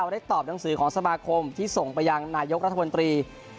ได้ตอบหนังสือของสมาคมที่ส่งไปยังนายกรัฐมนตรี